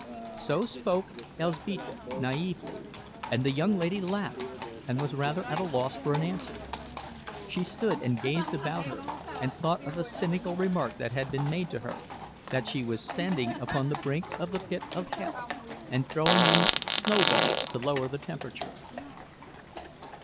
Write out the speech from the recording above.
So spoke Elzbieta, naïvely, and the young lady laughed and was rather at a loss for an answer—she stood and gazed about her, and thought of a cynical remark that had been made to her, that she was standing upon the brink of the pit of hell and throwing in snowballs to lower the temperature.